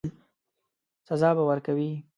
سزا به ورکوي.